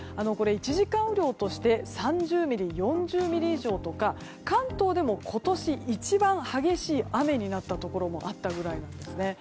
１時間雨量として３０ミリ、４０ミリ以上とか関東でも、今年一番激しい雨になったところもあったくらいなんですね。